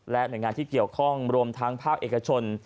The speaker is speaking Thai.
หน่วยงานที่เกี่ยวข้องรวมทั้งภาคเอกชน